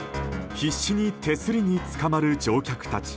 必死に手すりにつかまる乗客たち。